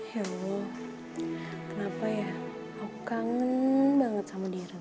ya allah kenapa ya aku kangen banget sama deren